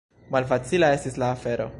Malfacila estis la afero.